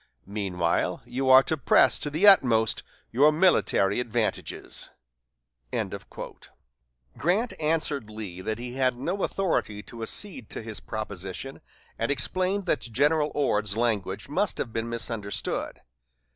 Meanwhile, you are to press to the utmost your military advantages." Grant answered Lee that he had no authority to accede to his proposition, and explained that General Ord's language must have been misunderstood.